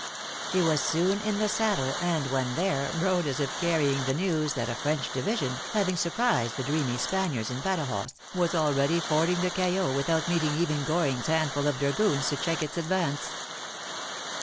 He was soon in the saddle, and when there, rode as if carrying the news, that a French division, having surprised the dreamy Spaniards in Badajoz, was already fording the Cayo, without meeting even Goring s handful of dragoons, to check its advance.